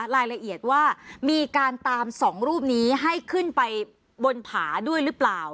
รายละเอียดว่ามีการตามสองรูปนี้ให้ขึ้นไปบนผาด้วยหรือเปล่า